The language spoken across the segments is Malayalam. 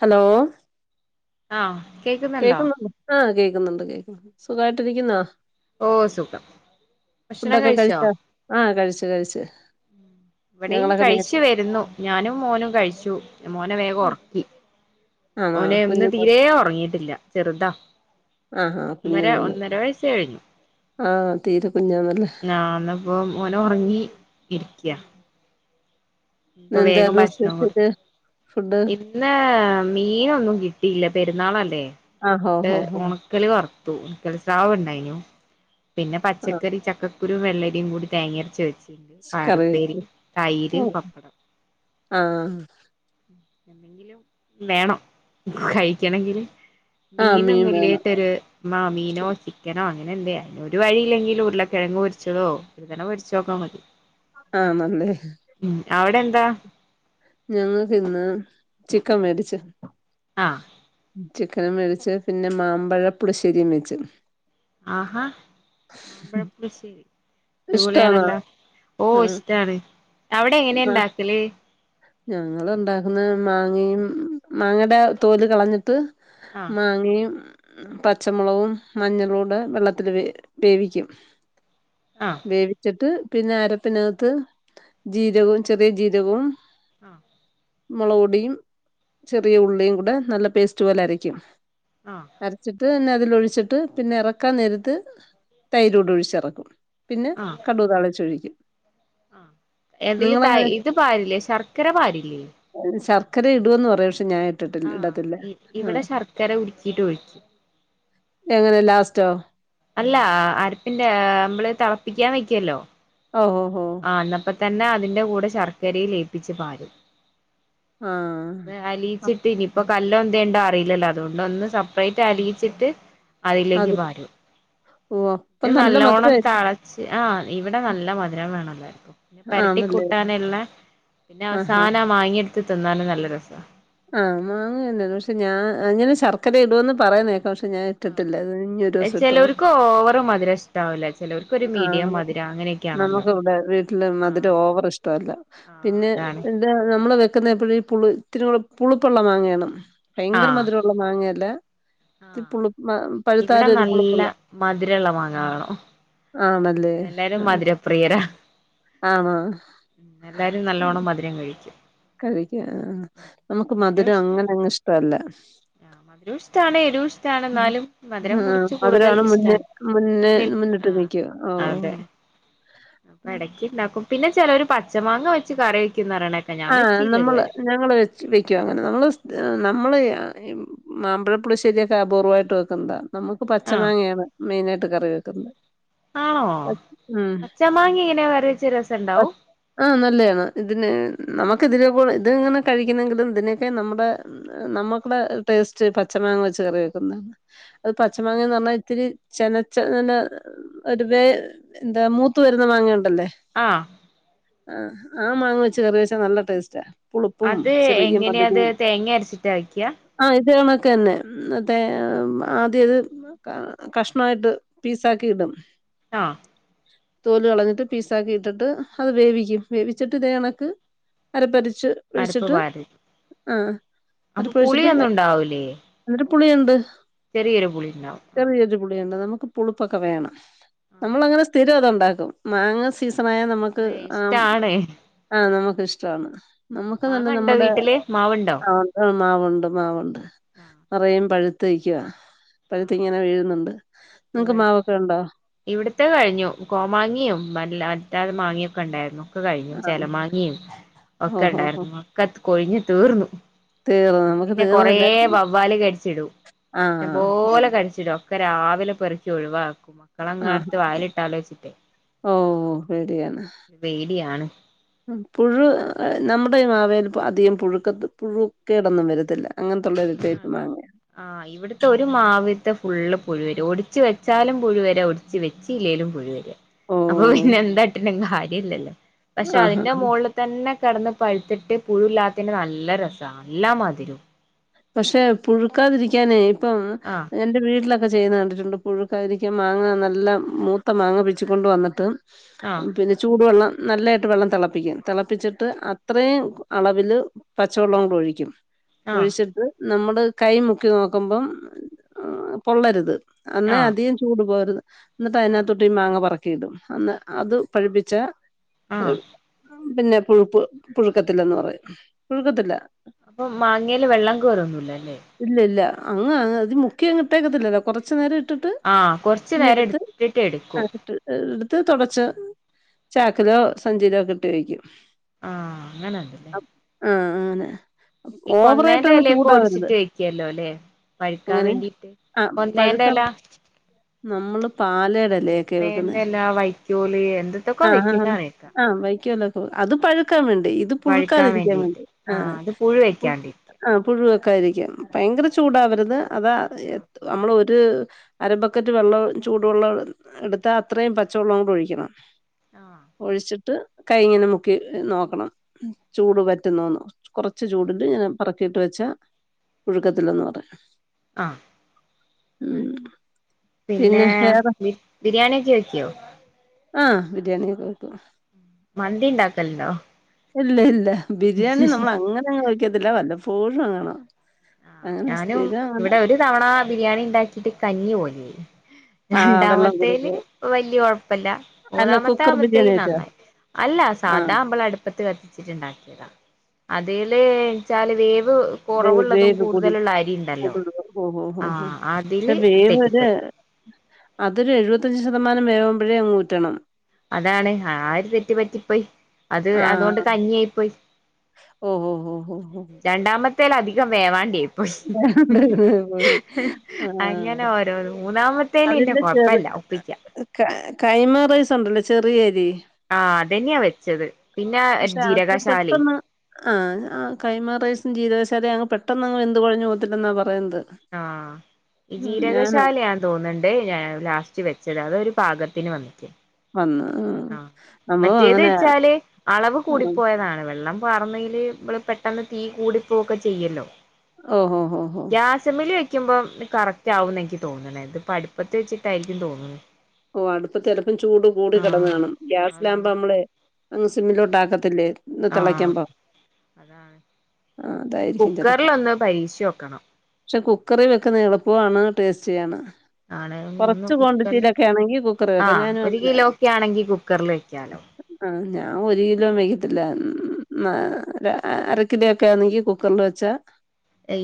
ഹലോ ആ കേൾക്കുന്നുണ്ട് ആ കേക്ക് ക്കുന്നുണ്ട് കേക്കുന്നുണ്ട് സുഗായ്ട്ടിരിക്കുന്നോ? ഓ സുഖം ഭക്ഷണം ഫുഡൊക്കെ കഴിച്ചോ? ആഹ് കഴിച്ചു കഴിച്ചു ഇവിടെയും ഞങ്ങളൊക്കെ നേരത്തെ കഴിച്ച് വരുന്നു ഞാനും മോനും കഴിച്ചു മോനെ വേഗം ഒർക്കി ആണോ ഓന് ഇന്ന് കുഞ്ഞു മോൻ തീരേ ഒറങ്ങിയിട്ടില്ല ചെറുതാ ആഹാ ഒന്നര ഒന്നര വയസ്സായി [inaudible] ആ തീരെ കുഞ്ഞാന്നല്ലേ ന്നാന്നപ്പോം മോനൊറങ്ങി ഇരിക്കാ പ്പൊ ഇന്ന് വേഗം എന്തായിരുന്നു ഭക്ഷണം കൊട് സ്പെഷ്യല് ഫുഡ് ഇന്ന് മീനൊന്നും കിട്ടിയില്ല പെരുന്നാളല്ലേ ആഹ് ഹോ ഹോ ണ്ട് ഹോ ഒണക്കല് വറ് തൂക്കൽ സ്രാവ് ണ്ടായിഞു പിന്നെ ആഹ് പച്ചക്കറി ചക്കക് ക്കുരു വെള്ളരിയും കുടി തേങ്ങ അരച്ച് വെച്ച് പയറുപ്പേരി തൈര് പപ് ആ എന്തെങ്കിലും വേണം കഴിക്കണങ്കില് ആഹ് മീൻ മീനൊന്നും വേണം ഇല്ലായിട്ടൊരു ആ മീനോ ചിക്കനോ പിന്നെന്തേ ഒരു വഴിയും ഇല്ലെങ്കി ഉരുളകിഴങ്ങ് പൊരിച്ചതോ ഴുതന പൊരിച്ചതൊക്കെ മതി ആ മന്ത് അവിടെന്താ ഞങ്ങക്കിന്ന് ചിക്കൻ മേടിച്ച് ആഹ് ചിക് ക്കനും വേവിച്ചു പിന്നെ മാമ്പഴ പുളിശ്ശേരീം വെച്ച് ആഹാ മാമ്പഴ പുളിശ്ശേരി അടിപൊളി ഇഷ്ടാണോ യാണല്ലോ ആഹ് ഇഷ്ടാണ് അവിടെങ്ങനെണ്ടാക്കല് ഞങ്ങൾ ണ്ടാക്കുന്നത് മാങ്ങയും മാങ്ങടെ തോല് കളഞ്ഞിട്ട് ആഹ് മാങ്ങയും പച്ചമുളകും മഞ്ഞളുടെ വെള്ളത്തില് വേവിക്കും ആഹ് വേവിച്ചിട്ട് പിന്നെ അരപ്പിനകത്ത് ജീരകോം ചെറിയ ജീരകോം അ മൊളകുപൊടിയും ചെറിയ ഉള്ളിയും കൂടെ നല്ല പേസ്റ്റ് പോലെ അരയ്ക്കും ആഹ് അരച്ചിട്ട് അതിനക് - തിലൊഴിച്ചിട്ട് പിന്നെഎറക്കാൻ നേരത്ത് തൈരുംടി ഒഴിച്ചെറെക്കും പിന്നെ കടുക് താളിച്ചൊഴിക്കും ആ എടേൽ തൈ നിങ്ങളങ്ങനെ ഇത് പാരില്ലേ ശർക്ക ക്കര പാരില്ലേ ക്കര ഇട്ന്ന് പറയും പഷ് ഞാൻ ഇട്ടിട്ട്ല്ല ആഹ് ഇടത്തില്ല ആഹ് ഇവിടെ ശർക്കര ഉരുക്കിയിട്ട് ഒഴിക്കും എങ്ങനെ ലാസ്റ്റ് [unintelligible] അല്ല അരപ്പിന്റെ നമ്മളീ തെളപ്പിക്കാൻ വയ്ക്കുമല്ലോ ഓഹ് ഓഹ് തന്നെ അതിന്റെ കൂടെ ശർക്കരയും ലയിപ്പിച്ച് പാരും ആഹ് ആ, അലീച്ചിട്ടിനിപ്പോ കല്ലോ എന്തോ ഉണ്ടോന്ന് അറിയില്ലല്ലോ അതുകൊണ്ട് ഒന്ന് സെപ്പറേറ്റ് അലിയിച്ചിട്ട് അതിലേക്ക് അത് പാരും ഓ അപ്പൊ റ്റ് നല്ല നല്ലോണം മധുരമായിരിക്കും. തിളച്ച് ആ ഇവിടെ നല്ല മധുരം വേണം എല്ലാർക്കും പെരട്ടി ആണല്ലേ? കൂട്ടാനുള്ള പിന്നെ ആഹാ. അവസാന പ മാങ്ങിയെടുത്ത് തിന്നാനും നല്ല രസാ ആ [unintelligible] ഞാൻ അങ്ങനെ ശർക്കര ഇടുവെന്ന് പറയുന്ന കേക്കാം പക്ഷേ ഞാൻ ഇട്ടിട്ടില്ല ഇനി ഒരു ദിവസം ഇട്ടു ചിലവർക്ക് നോക്കാം ഓവർ മധുരം ഇഷ്ടാവില്ല ചിലവർക്ക് ഒരു ആ മീഡിയം മധുരം അങ്ങനെയൊക്കെയാണല്ലോ നമുക്ക് ഇവിടെ വീട്ടില് ആ മധുരം ഓവർ ഇഷ്ടമില്ല ആ പിന്നെ അതാണ് എന്താ നമ്മള് വെക്ക് [unintelligible] പുളി ഇത്തിരി കൂടെ പുളി പുളിപ്പുള മാങ്ങേണം ഭയങ്കര മധുരമുള്ള മാങ്ങയല്ല ഇത്തിരി ആഹ് പുളി ഇവിടെ പഴുത്താലും ഒരു നല്ല പുളിപ്പുള്ള മധുരള്ള മാങ്ങ വേണം ആണല്ലേ? എല്ലാരും ആ, മധുരപ്രിയരാ ആണോ? എല്ലാരും നല്ലോണം മധുരം കഴിക് ക്കും കഴിക്കും ആ നമ്മക്ക് മധുരം അങ്ങനങ്ങ് ഇഷ്ട്ടല്ല ആഹ് മധുരവും ഇഷ്ടാണ് എരിവും ഇഷ്ടാണ് ഉം എന്നാലും മധുരം കുറച്ച് കൂടുതൽ മധുരാണ് മുന്നേ ഇഷ്ടാണ് മുന്നേ മുന്നിൽ മുന്നിട്ട് ആഹ് നിക്കും ആ അതെ അപ്പൊ എടക്കിണ്ടാക്കും പിന്നെ ചെലോര് പച്ച മാങ്ങ വെച്ച് കറി വെക് ആഹ് നമ്മള് ഞ്ഞങ്ങള് വെച്ച് വെക്കും അങ്ങനെ നമ്മള് സ് നമ്മള് യാ ഈമാമ്പഴ പുളിശ്ശേര്യൊക്കെ അപൂർവായിട്ട് വെക്കുന്നതാ നമ്മുക്ക് പച്ച ആഹ് മാങ്ങയാണ് മെയിനായി ട്ട് കറി വെക്കുന്നത് ആണോ പച് ഉം പച്ചമാങ്ങ എങ്ങനെ കറി വെച്ച പ രസണ്ടാവും ആ നല്ലയാണ് ഇതിന് നമ്മുക്ക് ഇതിലെ പോലെ ഇത് ഇങ്ങനെ കഴിക്കുന്നെങ്കിലും ഇതിനെയൊക്കെ നമ്മടെ നമ്മക്ക്ടെ ടേസ്റ്റ് പച്ച മാങ്ങ വെച്ച് കറി വെക്കുന്നതാ അത് പച്ച മാങ്ങാന്നു പറഞ്ഞ ഇത്തിരി ചെനച്ചതിന്റെ [unintelligible] ഒരു വേ എന്താ മൂത്ത് വരുന്ന മാങ്ങാ ഉണ്ട് അല്ലേ ആഹ് ആ ആ മാങ്ങ വെച്ച് കറി വെച് ച്ചാ നല്ല ടേസ്റ്റാ പുളിപ്പും അത് ചെറിയ എങ്ങനാ അത് മധുരവും തേങ്ങ അരച്ചിട്ട വെക്കാ ന്നെ ഉം തേ ആദ്യം ഇത് ക കഷണായിട്ട് പീസാക്കിയിടും ആ തോല് കളഞ്ഞിട്ട് പീസാക്കി ഇട്ടിട്ട് അത് വേവിക്കും വേവിച്ചിട്ട് ഇതേ കണക്ക് അരപ്പരച് അരപ്പ് വാടി അപ്പൊ പുള്യോന്നും ഉണ്ടാവില്ലേ പുളി ഒണ്ട് ചെറിയൊരു പുളിണ്ടാവും ഉം നമുക്ക് പുളിപ്പൊക്കെ വേണം ഞമ്മളങ്ങനെ സ്ഥിരം അതാ ഇണ്ട ണ്ടാക്കും മാങ്ങാ സീസൺ സനായ നമ്മക്ക് ആം ഇഷ്ടാണ് ആ നമ്മക്ക്ഷ് ഷ്ടാണ് മാങ്ങാണ്ടാ വ്ട്ട്ല് മാവുണ്ടൊ ആഹ് മാവുണ്ട് മാവുണ്ട് നെറേം പഴു ത്ത് നിക്കുവാ ആ ഇവ നിങ്ങൾക്ക് മാവൊക്കെ ഉണ്ടോ ഇവിടത്തെ കഴിഞ്ഞു കോമാങ്ങേം മ്മ് എല്ലാം [unintelligible] മാങ്ങായൊക്കെ ഇണ്ടാരുന്നു ഒക്കെ കഴിഞ്ഞു ആ ചേല മാങ്ങേം ഒക്കെ ഓഹോ ഹോ ഇണ്ടാരുന്നു ഒക്കെ കൊഴിഞ്ഞ് തീർന്നു തീർന്നു നമുക്ക് പിന്നെ കൊറേ തീർന്നില്ല വവ്വാല് കടിച്ചിടും ആ ഷ്ടം പോലെ കടിച്ചിടും ഒക്കെ രാവിലെ കൊറച്ച് ഒഴിവാക്കു ആ ഓ ഒ പേടിയാണ് പേടിയാണ് പുഴു നമ്മുടെ ഈ മാവേല് അധികം പുഴുക്കത്തെ പുഴുക്കേട് ഒന്നും വരത്തില്ല അങ്ങനത്തുള്ള ഒരു ടൈപ്പ് മാങ്ങ ആ ഇവിടുത്തെ ഒരു മാവി ലത്തെ ഫുള്ള് പുഴു വരും ഒടിച്ചു വെച്ചാലും പുഴുവരുവാ ഒടിച്ചു വെ ച്ചില്ലേലും പുഴു വരുവാ ഓ അപ്പോ പിന്നെ എല്ലാത്തിലുംഅങ്ങ് ആയി കേടില്ലല്ലോ പക്ഷേ ആ ഹാ അതിന്റെ മൊളിൽ തന്നെ കെടന്ന് പഴുത്തിട്ട് പുഴു ഇല്ലാത്തതിന് നല്ല രസമാ നല്ല മധുരവും പക്ഷേ പുഴുക്കാതിരിക്കാനെ ഇപ്പം ആഹ് എന്റെ വീട്ടിലൊക്കെ ചെയ്യുന്ന കണ്ടിട്ടൊ ട്ടൊണ്ട് പുഴുക്കാതിരിക്കാൻ മാങ്ങ നല്ല മൂത്ത മാങ്ങ പിച്ചി കൊണ്ടുവന്നിട്ട് ആഹ് പിന്നെ ചൂടുവെള്ളം നല്ലായിട്ട് വെള്ളം തെളപ്പിക്കും തെ ളപ്പിച്ചിട്ട് അത്രയും അളവില് പച്ച വെള്ളവും കൂടെ ഒഴിക്കും ആഹ് ഒഴിച്ചിട്ട് നമ്മടെ കൈ മുക്കി നോക്കുമ്പോ മം പൊള്ളരുത് അന്നാ ആഹ് അധികം ചൂട് പോകരുത് എന്നിട്ട് അതിനകതൊട്ട് ഈ മാങ്ങ പറ ക്കിയിടും അന്നാ അത് പഴിപ്പിച്ചാൽ ആ പിന്നെ പുഴു പ് പുഴുക്കത്തില്ലെന്ന് പറയും പുഴുക്കത്തില്ല അപ്പോ മാങ്ങയെ ല് വെള്ളംകേറുംയൊന്നുമില്ലല്ലോ അങ്ങ്അതിൽ മുക്കിയങ്ങ് ഇട്ടേക്കത്തില്ലല്ലോ കൊറച്ച് നേരം ഇ ആ കൊറച്ച് നേരം എടുത്തിട്ട് എടുക്കും ഇത് തൊടച്ച് ചാക്കിലോ സഞ്ചിയിലോ ഒക്കെ ഇട്ടുവയ്ക്കും ആ അങ്ങനെയാ ഇതെല്ലേ ആന്ന് ഓവറായിട്ടങ്ങ് ഇപ്പം ഒടിച്ചിട്ട് വയ്ക്കുല്ലോയെല്ലേ പഴുക്കാൻ എങ്ങനെ വേണ്ടിയിട്ട് ആ കൊന്നെന്റെ പഴുക്കാൻ ഇല നമ്മള് പാലയുടെ ഇലയൊക്കെ വെക്കുന്നെ കൊന്നെന്റെ ഇല വൈക്കോല് എന്തൊക്കെ ഒക്കെ വെയ്ക്കും എനിക്ക്അറിയിക്ക വെയ്ക്കൂല്ലോ ഇപ്പോ അത് പഴു ക്കാൻ വേണ്ടി ഇത് പുഴു വഴുക്കാൻ ക്കാതിരിക്കാൻ വേണ്ടിട്ട് വേണ്ടി ആ ഹ് ആഹ് അത് പുഴു ഇത് വെക്കാണ്ടിരിക്കാൻ പുഴ്‌ ആ വെക്കാതിരിക്കും ഭയങ്കര ചൂടാവരുത് അതാ എ ആഹ് ത്ര നമ്മള് ഒ രൂ അര ബക്കറ്റ് വെള്ളം ചൂട് വെള്ളം എടുത്താ അത്രേം പച്ച വെള്ളം കൂട ഒഴിക്കണം ആഹ് ഒഴിച്ച് ട്ട് കൈ ഇങ്ങന മുക്കി നോക്കണം ചൂട് വറ്റുന്നോന്നു കൊറച്ച് ആഹ് ചൂടില് പെറുക്കിയെടുത്ത ട്ട് വെച്ച പുഴുക്കത്തില്ലന്ന് പറ അ ഉം പിന്നേ പിന്നെ വേറെ ബിരിയാണി ഒക്കെ ആക്കിയോ ആ ബിരിയാണി ഒക്കെ ഇട്ടു മന്തി ഇണ്ടാക്കുണ്ടോ ഇല്ലില്ല ബിരിയാണി നമ്മള് അങ്ങന വെ ഇതിലെ വന്നു ഫോണിലാണോ ആ ഞാനും ഇവിട ഒരു തവണ ബിരിയാണി ഇണ്ടാക്കിട്ട് കഞ്ഞി പോലെ ആയി ആഹ് വെള്ളം കൂടുതൽ രണ്ടാമത്തേല് വല്ല്യ കൊഴ്പ്പല്ല അല്ല മൂന്നാമത്ത കുക്കർ ബിരിയാണി ആയപ്പഴത്തേയും വെച്ചോ നന്നായി അല്ല സാധാ ആഹ് നമ്മളടുപ്പത്ത് കത്തിച്ചിട്ട് ഇണ്ടാക്കീതാ അതേല് വെച്ചാല് വേവ് വ് കൊറവുള്ളതും [unintelligible] ഹോ ഹോ ഹോ ഹോ ആഹ് പക്ഷെ അതില് വേവ് ഒര് തെറ്റിപ്പോയി അതൊരു എഴു മുപ്പത്തഞ്ച് ശതമാനം വേവുമ്പഴേ അങ്ങ് ഊറ്റണം അതാണ്‌ ആ ഒരു തെറ്റ് പറ്റിപ്പോയി അത് അതോണ്ട് ആഹ് കഞ്ഞി ആയിപ്പോയി ഓഹോ ഹോ ഹോ ഹോ രണ്ടാമ [unintelligible] അതികം വേവാണ്ടെയും ഹോ പോയി ആഹ് അങ്ങനെ ഓരോന്ന് മൂന്നാ അതിന്റെ ചെറി കാ കൈമാ റൈസ്ണ്ടല്ലോ ചെറിയ അരി ആ അതന്നായ വെച്ചത് പിന്നെ പക്ഷേ അത് ജീരകശാലേ പെട്ടന്ന് ആ [unintelligible] റൈസും ജീ അത് പെട്ടന്നങ്ങു അങ്ങ് വെന്ത് കൊഴഞ്ഞ് പൊത്തില്ലന്നേ പ ആ ജീരക ഞാനാ ശാല ആണെന്ന് തോന്നുണ്ട് ഞാൻ ലാസ്റ്റ് വെച്ചത് അതൊരു പാകത്തിന് വന്നിട്ട് വന്ന് ഉം ആ നമ്മളും മറ്റേത് അങ്ങനെ വെച്ചാല് അളവ് കൂടി ഉം പോയതാണ് വെള്ളം ർന്നേല് മ്മള് പെട്ടന്ന് തീ കൂടി പോവൊക്കെ ചെയുലോ ഹോ ഹോ ഹോ ക്കുമ്പം കറക്റ്റ് ആകുന്നെനിക്ക് തോന്നുന്നേ അടുപ്പത്ത് വച്ചിട്ടായിരിക്കും തോന്നുന്നു ഒ അടുപ്പത്ത് ചിലപ്പോൾ ചൂടും കൂടിക്കിടന്ന് ആഹ് കാണും ഗ്യാസിൽ ആവുമ്പോ അതുകൊണ്ട് നമ്മള് സിമ്മിലോട്ട് ആകത്തില്ലേ ആ ആഹ് അതായിരിക്കും കുക്കറിൽ ചിലപ്പം ഒന്ന് പരീക്ഷിച്ച്നോക്കണം കുക്കറിൽ വെക്കുന്നത് എളുപ്പമാണ് ടേസ്റ്റി ആണ് ആണേലും ഒന്ന് കുക്കറില് ആണെങ്കിൽ കുക്കറി ആ വെക്കാം ഞാനും ഒരു അങ്ങനെ കിലോ ഒക്കെ ആണെങ്കി കുക്കറില് വെക്കാം ആഹ് ഞാൻ ഒരു കിലോ വേവിക്കില്ല ന ല അരക്കിലോക്കെ ആണെങ്കി കുക്കറിൽ വെച്ചാ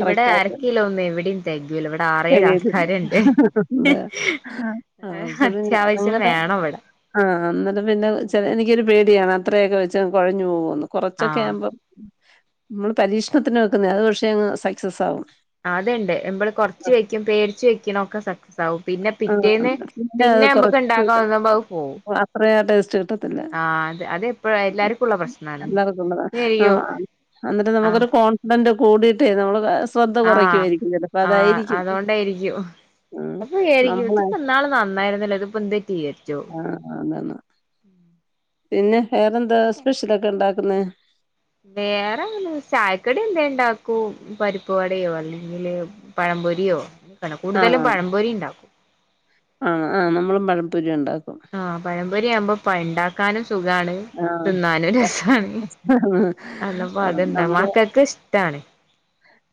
ഇവിടെ കറക്റ്റ് ആയിട്ട് അരക്കിലോ ഒന്നും എവിടെയും തികയൂല്ല ആറേഴു തികയത്തില്ല. ആൾക്കാരുണ്ട് ഉണ്ട് ആ അപ്പഴും അത്യാവശ്യം അങ്ങനെ വേണം ഇവിടെ ആ അന്നേരം പിന്നെ എനിക്കൊരു പേടിയാണ് അത്രേംകെ വെച്ചാ കുഴഞ്ഞു പോകുമോ ന്ന് ആഹ് കുറച്ചൊക്കെയാമ്പം നമ്മൾ പരീക്ഷണത്തിന് വെക്കുന്ന അത് പക്ഷേ അങ്ങ് സക്സസ് ആകും അത് ഉണ്ട് നമ്മൾ കുറച്ച് വെക്കും പേടിച്ച് വെകുന്നതൊകെ സക്സസ് ആകും പിന്നെ പിറ്റേന്ന് പി അത് പിന്നെ കൊറ നമ്മക്ക് ഉണ്ടാക്കാൻ തോന്നുമ്പോ അത് പോവും അത്ര ടേസ്റ്റ് കിട്ടത്തില്ല ആഹ് അത് അതെപ്പഴ എല്ലാർക്കും ഉള്ള പ്രശ്നാണ് ശരിക്കും എല്ലക്കള്ളിട്ട് നമുക്കരു ആഹ് കോ ൻ്റ കൂടിയിട്ടേ നമ്മൾ ബസ്‌ ആഹ് ആ അതൊണ്ടായിരിക്കും ഉം അപ്പൊരിക്കും ഇത് നമ്മളെ ഇന്നാള് നടന്ന നന്നായിരുന്നില്ല ഇത് ഇപ്പോ പന്ത് പറ്റിയോഴിചോ ആ അതാണ് പിന്നെ വേറെന്താ സ്പെഷ്യലൊക്കെ ഉണ്ടാക്കുന്നോ വേറെ ചായക്കടി എന്താ ഉണ്ടാക്കും പരിപ്പ് വടയോ അല്ലെങ്കില് പഴം പൊരിയോ ആഹ ആ ആഹ് നമ്മളും പഴം പൊരി ഉണ്ടാകും ആഹ പഴം പൊരി ആവുമ്പ അപ്പൊ ഉണ്ടാക്കാനും സുഖാണ് തിന്നാനും ആ രസമാണ് അന്നപ്പോ ആഹ് അത് എന്താ മക്കൾക്കെ ഇഷ്ടമാണ്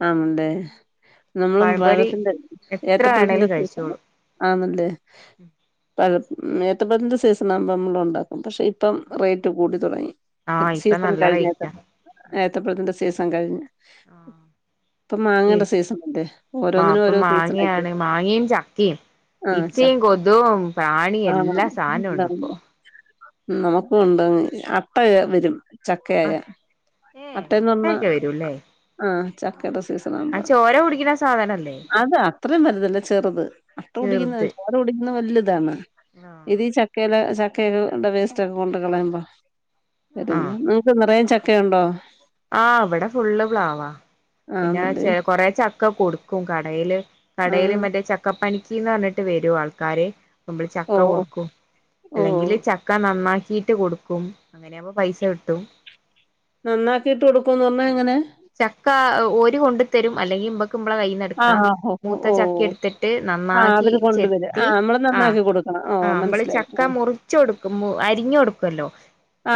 ആം ണ്ട് നമ്മളും പഴംപൊരി പഴത്തിന്റെ എത്ര ഏത്തപ്പഴത്തിന്റെ വേണേലും കഴിച്ചോളും ആണല്ലേ പഴം മ ഏത്തപ്പഴത്തിൻ സീസൺ ആകുമ്പോ നമ്മള് ഉണ്ടാക്കും പക്ഷെ ഇപ്പം റേറ്റ് കൂടി തുടങ്ങി ആഹ് ഇപ്പൊ സീസൺ നല്ല കഴിഞ്ഞ റേറ്റാ ഏത്തപ്പഴതിൻ്റ സീസൺ കഴിഞ്ഞ് ആ ഇപ്പൊ പി മാങ്ങയുടെ സീസൺ അല്ലേ മാ ഓരോന്നിനും അപ്പൊ ഓരോ സീസൺ അല്ലേ മാങ്ങയാണ് മാങ്ങയും ചക്കയും ആഹ് ച ഇച്ചയും കൊതും പ്രാണിയ എല്ലാ സാധനുണ്ട് ഇപ്പൊ മ് നമക് ഉണ്ട് അട്ട വരും ചക്കയായ ആഹ് ഏഹ് അട്ടെന്ന് പറഞ്ഞ അത്രയൊക്കെ വരൂല്ലേ ആ ചക്കടെ സീസണ ആ ആകുമ്പോ ചോര കുടിക്കണ സാധനല്ലേ അത് അത്രയും വലുതല്ല ചെറുത് അട്ട കുടിക്കുന്ന ചെറുത് ചോര കുടിക്കുന്നത് വലുതാണ് ഇതീ ചക്കയില ച [unintelligible] വേസ്റ്റ് ആവും കൊണ്ട് കളയമ്പോ വരുന്ന് ബീഫ് നിറയും ച ഒക്കെ ഉണ്ടോ ആ ഇവിടെ ഫുള്ള് പ്ലാവാ പിന്നെ ആണല്ലേ ചെ കൊറേ ചക്ക കൊടുക്കും കടയില് കടയില് ആഹ് മറ്റേ ചക്കപ്പനി [unintelligible] പറഞ്ഞിട്ട് വരും ആൾക്കാര് നമ്മള് ചക്ക ഓ കൊടുക്കും ഓ അല്ലെങ്കില് ചക്ക നന്നാക്കി കീട്ട് കൊടുക്കും അങ്ങനെയാവുമ്പോ പൈസ കിട്ടും നന്നാക്ക്കീട്ട് കൊടുക്കുംന്ന് പറഞ്ഞാ എങ്ങനെ ചക്ക ഓര് കൊണ്ട്ത്തരും അല്ലെങ്കി മ്മളെ കൈയ്യിന്ന് എടുക്കാ ആഹ് ആഹ് ഓ മൂത്ത ഓ ചക്ക എടുത്തിട്ട് ആഹ് നന്നാക്കി അവര് കൊണ്ടുവരും ചെത്തി ആഹ് നമ്മള് ആ നന്നാക്കി കൊടുക്കണം ഓ ആ നമ്മള് മനസ്സിലായി ചക്ക മുറിച്ചു കൊടുക്കുമ്പൊ അരിഞ്ഞ് കൊടുക്കോലോ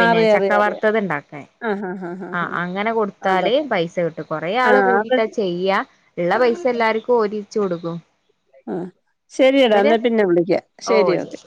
ആഹ് അറിയാം ചക്ക അറിയാം അറിയാം വറുത്തത് ഇണ്ടാക്കാന് ആഹ് ആഹ് ആഹ് ആ ആഹ് ആഹ് അങ്ങനെ കൊടുത്താല് അതൊക്കെ പൈസ കിട്ടും കൊറെേ ആള് ആഹ് അത് കൂടീട്ട ചെയ്യാ ഇള്ള പൈസ എല്ലാര്ക്കും ഓരിയെച്ചു കൊടുക്കും ആ ശരിയടാ ഇവര് എന്നാ പിന്നെ വിളിക്ക ശരി ഓക്കേ